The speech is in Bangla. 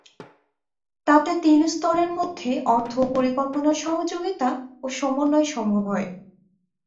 তাতে তিন স্তরের মধ্যে অর্থ ও পরিকল্পনার সহযোগিতা ও সমন্বয় সম্ভব হয়।